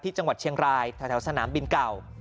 จังหวัดเชียงรายแถวสนามบินเก่า